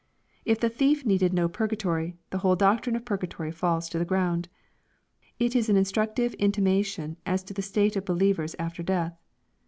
If the thief needed no purgatory, the whole doctrine of purgatory falls to the ground. It is an instructive intimation as to the state of believers after death.